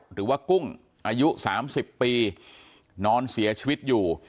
กุ้งอายุ๓๐ปีนอนเสียชีวิตอยู่